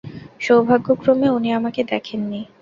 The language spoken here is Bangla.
সৌভাগ্যক্রমে উনি আমাকে দেখেননি।